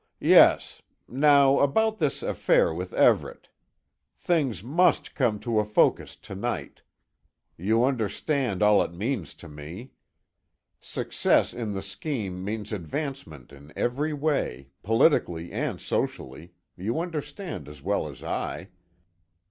"Yes. Now, about this affair with Everet! Things must come to a focus to night. You understand all it means to me. Success in the scheme means advancement in every way politically and socially you understand as well as I.